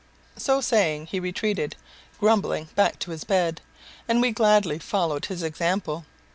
So saying he retreated, grumbling, back to his bed, and we gladly followed his example.